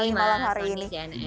terima kasih mas soni